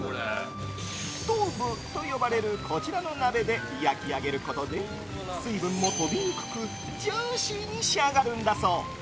ストウブと呼ばれるこちらの鍋で焼き上げることで水分も飛びにくくジューシーに仕上がるんだそう。